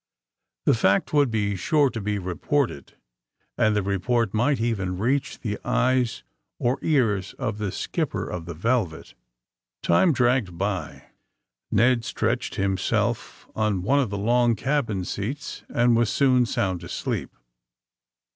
The fact would be sure to be reported, and the report might even reach the eyes or ears of the skipper of the *' Velvet.'' Time dragged by. Ned stretched himself on one of the long cabin seats and was soon sound asleep.